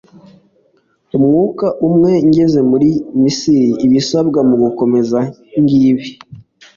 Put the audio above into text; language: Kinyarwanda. umwuka umwe ngeze muri misiri ibisabwa mu gukomeza ngibi